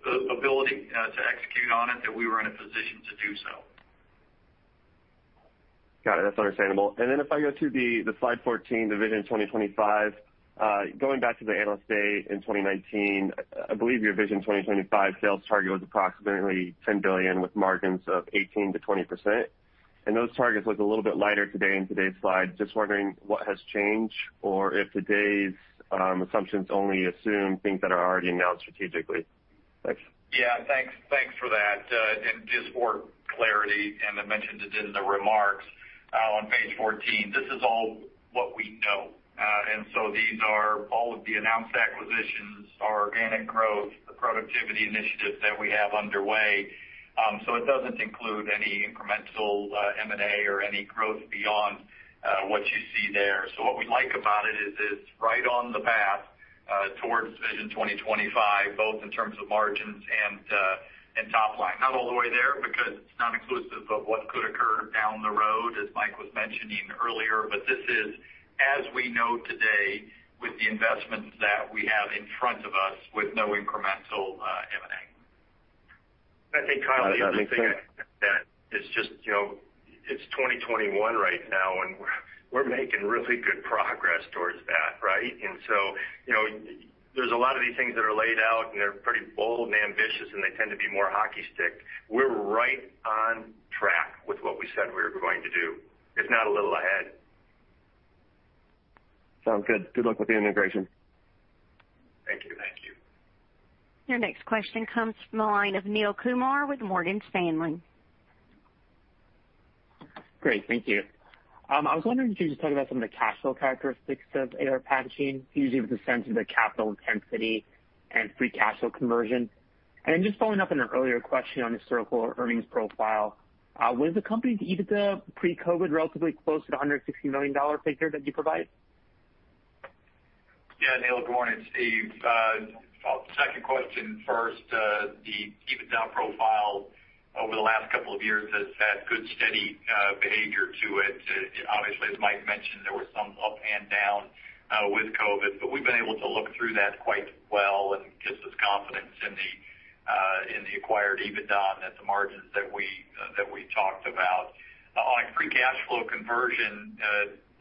the ability to execute on it, that we were in a position to do so. Got it. That's understandable. If I go to slide 14, the Vision 2025. Going back to the Analyst Day in 2019, I believe your Vision 2025 sales target was approximately $10 billion with margins of 18%-20%. Those targets look a little bit lighter today in today's slide. Just wondering what has changed or if today's assumptions only assume things that are already announced strategically. Thanks. Yeah. Thanks for that. Just for clarity, and I mentioned it in the remarks on page 14, this is all what we know. These are all of the announced acquisitions, our organic growth, the productivity initiatives that we have underway. It doesn't include any incremental M&A or any growth beyond what you see there. What we like about it is it's right on the path towards Vision 2025, both in terms of margins and top line. Not all the way there because it's not inclusive of what could occur down the road, as Mike was mentioning earlier. This is as we know today with the investments that we have in front of us with no incremental M&A. That makes sense. I think, Kyle, the other thing I'd add is just it's 2021 right now, and we're making really good progress towards that, right? There's a lot of these things that are laid out, and they're pretty bold and ambitious, and they tend to be more hockey stick. We're right on track with what we said we were going to do, if not a little ahead. Sounds good. Good luck with the integration. Thank you. Thank you. Your next question comes from the line of Neel Kumar with Morgan Stanley. Great. Thank you. I was wondering if you could just talk about some of the cash flow characteristics of AR Packaging, usually with a sense of the capital intensity and free cash flow conversion. Just following up on an earlier question on historical earnings profile. Was the company's EBITDA pre-COVID relatively close to the $160 million figure that you provide? Yeah, Neel, good morning. It's Steve. I'll take your question first. The EBITDA profile over the last couple of years has had good, steady behavior to it. Obviously, as Mike mentioned, there were some up and down with COVID, but we've been able to look through that quite well, and gives us confidence in the acquired EBITDA and at the margins that we talked about. On free cash flow conversion,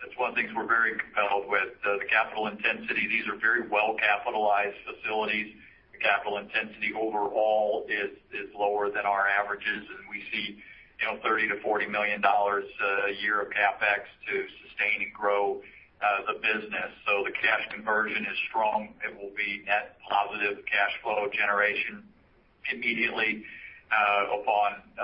that's one of the things we're very compelled with, the capital intensity. These are very well-capitalized facilities. The capital intensity overall is lower than our averages, and we see $30 million-$40 million a year of CapEx to sustain and grow the business. The cash conversion is strong. It will be net positive cash flow generation immediately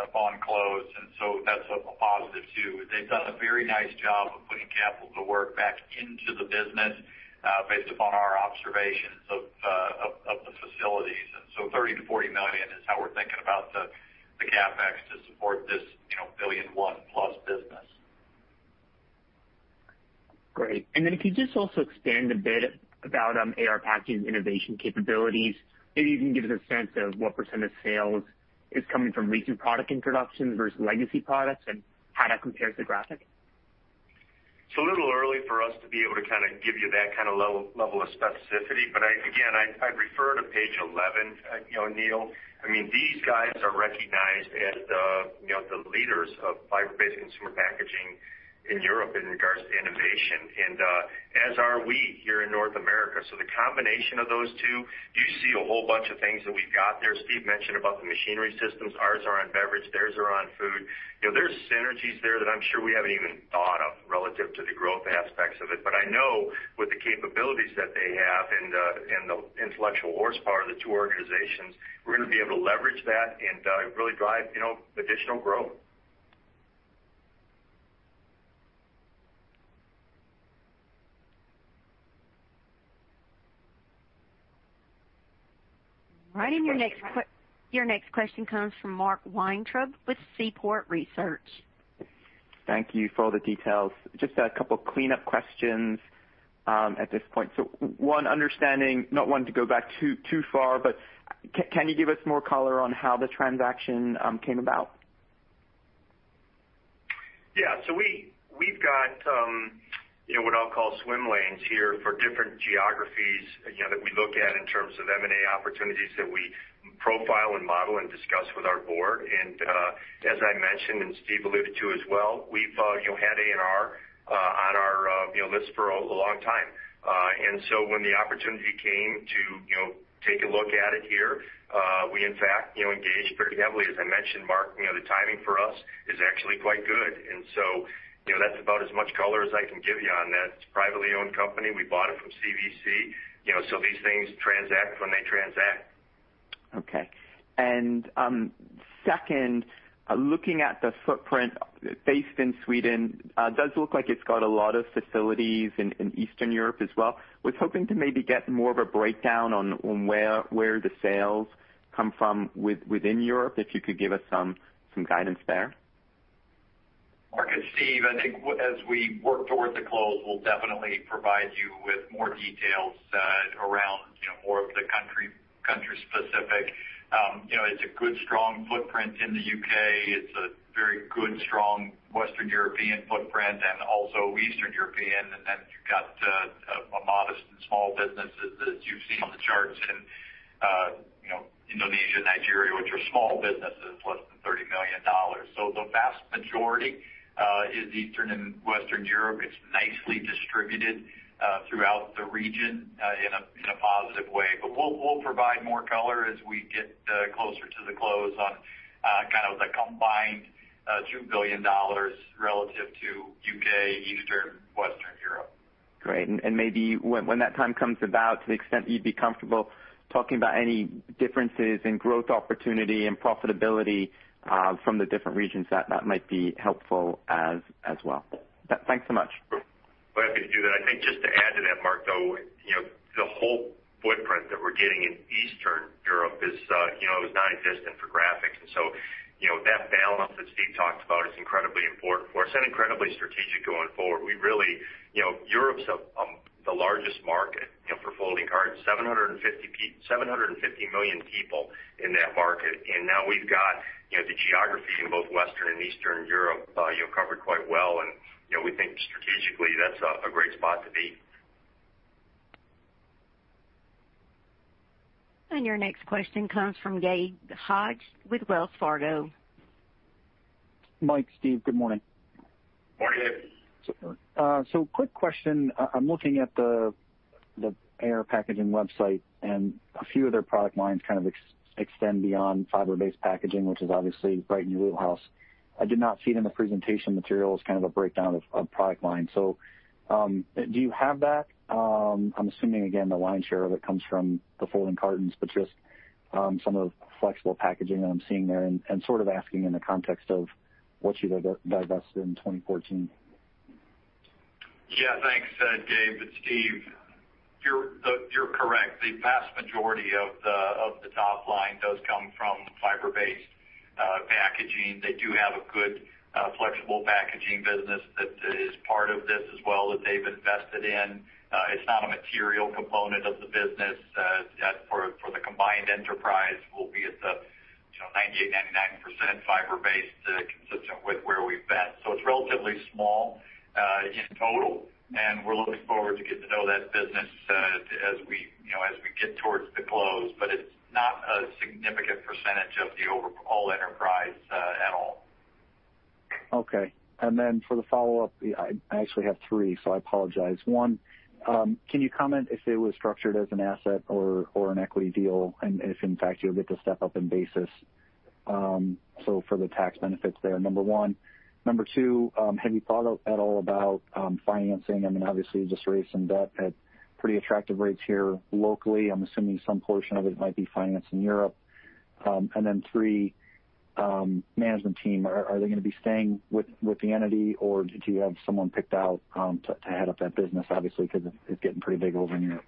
upon close, and so that's a positive, too. They've done a very nice job of putting capital to work back into the business based upon our observations of the facilities. $30 million-$40 million is how we're thinking about the CapEx to support this billion-and-one-plus business. Great. If you could just also expand a bit about AR Packaging's innovation capabilities. Maybe you can give us a sense of what percentage of sales is coming from recent product introductions versus legacy products and how that compares to Graphic? It's a little early for us to be able to give you that kind of level of specificity. Again, I'd refer to page 11, Neel. These guys are recognized as the leaders of fiber-based consumer packaging in Europe in regards to innovation, and as are we here in North America. The combination of those two, you see a whole bunch of things that we've got there. Steve mentioned about the machinery systems. Ours are on beverage, theirs are on food. There's synergies there that I'm sure we haven't even thought of relative to the growth aspects of it. I know with the capabilities that they have and the intellectual horsepower of the two organizations, we're going to be able to leverage that and really drive additional growth. Right. Your next question comes from Mark Weintraub with Seaport Research. Thank you for all the details. Just a couple of cleanup questions at this point. One, understanding, not wanting to go back too far, but can you give us more color on how the transaction came about? Yeah. We've got what I'll call swim lanes here for different geographies that we look at in terms of M&A opportunities that we profile and model and discuss with our board. As I mentioned, and Steve alluded to as well, we've had AR Packaging on our list for a long time. When the opportunity came to take a look at it here, we in fact engaged pretty heavily. As I mentioned, Mark, the timing for us is actually quite good. That's about as much color as I can give you on that. It's a privately owned company. We bought it from CVC, so these things transact when they transact. Okay. Second, looking at the footprint based in Sweden, does look like it's got a lot of facilities in Eastern Europe as well. Was hoping to maybe get more of a breakdown on where the sales come from within Europe, if you could give us some guidance there. Mark, it's Steve. I think as we work towards the close, we'll definitely provide you with more details around more of the country specific. It's a good, strong footprint in the U.K. It's a very good, strong Western European footprint and also Eastern European. You've got a modest and small businesses that you've seen on the charts in Indonesia, Nigeria, which are small businesses, less than $30 million. The vast majority is Eastern and Western Europe. It's nicely distributed throughout the region in a positive way. We'll provide more color as we get closer to the close on kind of the combined $2 billion relative to U.K., Eastern, Western Europe. Great. Maybe when that time comes about, to the extent you'd be comfortable talking about any differences in growth opportunity and profitability from the different regions, that might be helpful as well. Thanks so much. We're happy to do that. I think just to add to that, Mark, though, the whole footprint that we're getting in Eastern Europe is non-existent for Graphic. That balance that Steve talked about is incredibly important for us and incredibly strategic going forward. Europe's the largest market for folding cartons, 750 million people in that market. Now we've got the geography in both Western and Eastern Europe covered quite well, and we think strategically, that's a great spot to be. Your next question comes from Gabe Hajde with Wells Fargo. Mike, Steve, good morning. Morning, Gabe. Quick question. I'm looking at the AR Packaging website, and a few of their product lines kind of extend beyond fiber-based packaging, which is obviously right in your wheelhouse. I did not see it in the presentation materials, kind of a breakdown of product lines. Do you have that? I'm assuming, again, the lion's share of it comes from the folding cartons, but just some of the flexible packaging that I'm seeing there and sort of asking in the context of what you divested in 2014. Yeah, thanks, Gabe. It's Steve. You're correct. The vast majority of the top line does come from fiber-based packaging. They do have a good flexible packaging business that is part of this as well that they've invested in. It's not a material component of the business. For the combined enterprise, we'll be at the 98%, 99% fiber-based, consistent with where we've been. It's relatively small in total, and we're looking forward to getting to know that business as we get towards the close. It's not a significant percentage of the overall enterprise at all. Okay. For the follow-up, I actually have three, so I apologize. One, can you comment if it was structured as an asset or an equity deal and if, in fact, you'll get to step up in basis? For the tax benefits there, number one. Number two, have you thought at all about financing? Obviously, you just raised some debt at pretty attractive rates here locally. I'm assuming some portion of it might be financed in Europe. Three, management team, are they going to be staying with the entity, or do you have someone picked out to head up that business, obviously, because it's getting pretty big over in Europe?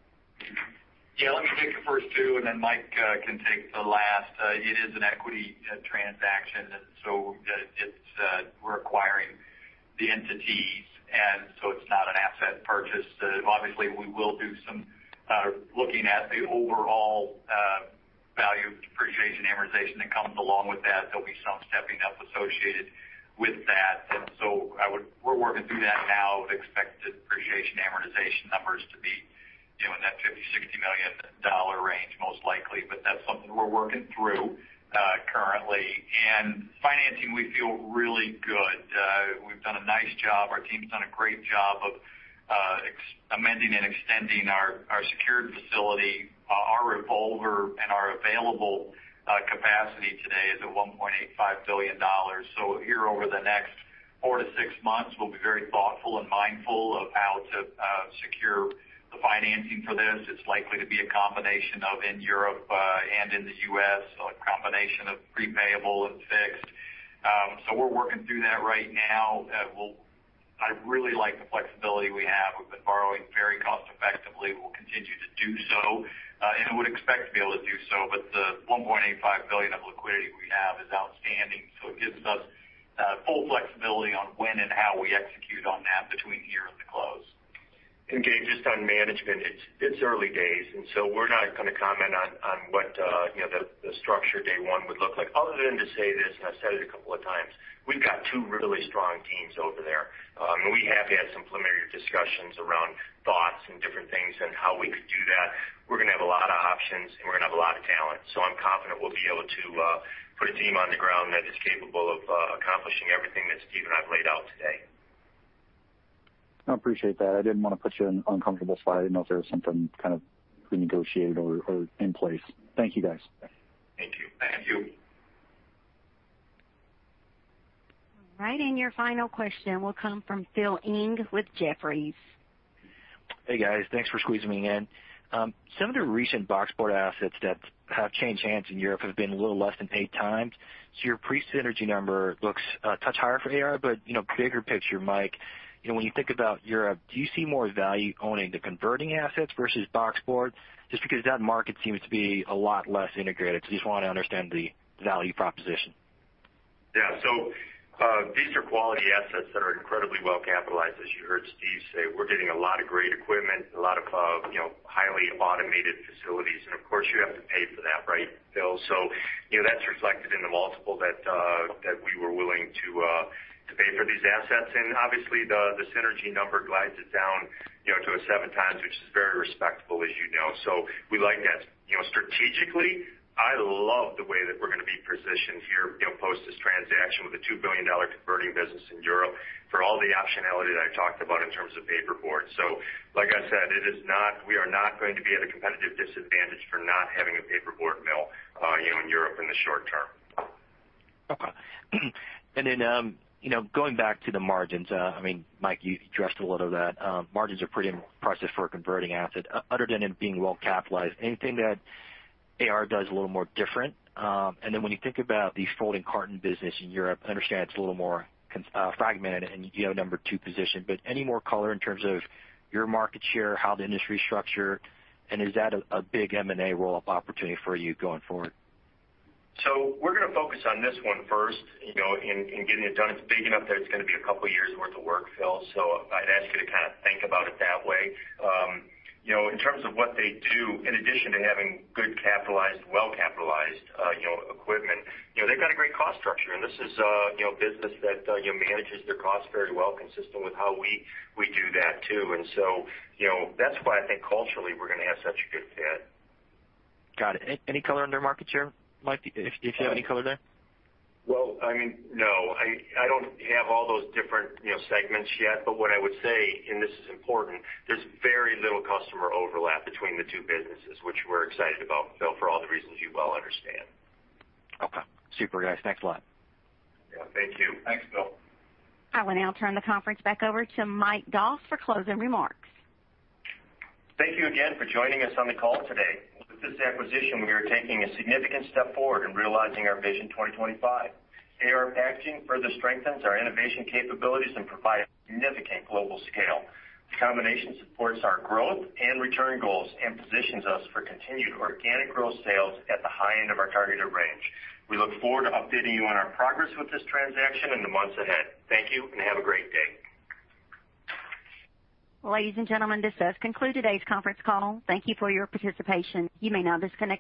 Let me take the first two, and then Mike can take the last. It is an equity transaction, so we're acquiring the entities and so it's not an asset purchase. Obviously, we will do some looking at the overall value of depreciation, amortization that comes along with that. There'll be some stepping up associated with that. We're working through that now. Would expect the depreciation amortization numbers to be in that $50 million-$60 million range most likely. That's something we're working through currently. Financing, we feel really good. We've done a nice job. Our team's done a great job of amending and extending our secured facility. Our revolver and our available capacity today is at $1.85 billion. Here over the next four to six months, we'll be very thoughtful and mindful of how to secure the financing for this. It's likely to be a combination of in Europe and in the U.S., a combination of pre-payable and fixed. We're working through that right now. I really like the flexibility we have. We've been borrowing very cost effectively. We'll continue to do so and would expect to be able to do so. The $1.85 billion of liquidity we have is outstanding, so it gives us full flexibility on when and how we execute on that between here and the close. Gabe, just on management, it's early days, and so we're not going to comment on what the structure day one would look like other than to say this. I've said it a couple of times. We've got two really strong teams over there. We have had some preliminary discussions around thoughts and different things and how we could do that. We're going to have a lot of options, and we're going to have a lot of talent. I'm confident we'll be able to put a team on the ground that is capable of accomplishing everything that Steve and I have laid out today. I appreciate that. I didn't want to put you on uncomfortable spot. I didn't know if there was something kind of prenegotiated or in place. Thank you, guys. Thank you. Thank you. All right, your final question will come from Phil Ng with Jefferies. Hey, guys. Thanks for squeezing me in. Some of the recent boxboard assets that have changed hands in Europe have been a little less than eight times. Your pre-synergy number looks a touch higher for AR, but bigger picture, Mike, when you think about Europe, do you see more value owning the converting assets versus boxboard? Just because that market seems to be a lot less integrated. I just want to understand the value proposition. Yeah, these are quality assets that are incredibly well capitalized. As you heard Steve say, we're getting a lot of great equipment, a lot of highly automated facilities. Of course, you have to pay for that, right, Phil? That's reflected in the multiple that we were willing to pay for these assets. Obviously, the synergy number glides it down to a 7x, which is very respectful, as you know. We like that. Strategically, I love the way that we're going to be positioned here post this transaction with a $2 billion converting business in Europe for all the optionality that I've talked about in terms of paperboard. Like I said, we are not going to be at a competitive disadvantage for not having a paperboard mill in Europe in the short term. Okay. Going back to the margins, Mike, you addressed a little of that. Margins are pretty impressive for a converting asset. Other than it being well capitalized, anything that AR does a little more different? When you think about the folding carton business in Europe, I understand it's a little more fragmented and you have a number two position, but any more color in terms of your market share, how the industry is structured, and is that a big M&A roll-up opportunity for you going forward? We're going to focus on this one first in getting it done. It's big enough that it's going to be a couple of years worth of work, Phil. I'd ask you to kind of think about it that way. In terms of what they do, in addition to having good capitalized, well-capitalized equipment, they've got a great cost structure, and this is a business that manages their costs very well, consistent with how we do that, too. That's why I think culturally, we're going to have such a good fit. Got it. Any color on their market share, Mike, if you have any color there? Well, no. I don't have all those different segments yet. What I would say, and this is important, there's very little customer overlap between the two businesses, which we're excited about, Phil, for all the reasons you well understand. Okay. Super, guys. Thanks a lot. Yeah. Thank you. Thanks, Phil. I will now turn the conference back over to Mike Doss for closing remarks. Thank you again for joining us on the call today. With this acquisition, we are taking a significant step forward in realizing our Vision 2025. AR Packaging further strengthens our innovation capabilities and provide significant global scale. The combination supports our growth and return goals and positions us for continued organic growth sales at the high end of our targeted range. We look forward to updating you on our progress with this transaction in the months ahead. Thank you, and have a great day. Ladies and gentlemen, this does conclude today's conference call. Thank you for your participation. You may now disconnect your lines.